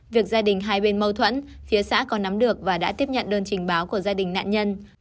việc gia đình hai bên mâu thuẫn phía xã có nắm được và đã tiếp nhận đơn trình báo của gia đình nạn nhân